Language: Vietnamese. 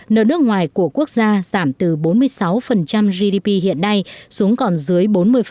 nợ nước ngoài của quốc gia giảm từ bốn mươi sáu gdp hiện nay xuống còn dưới bốn mươi